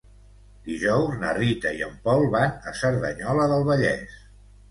Dijous na Rita i en Pol van a Cerdanyola del Vallès.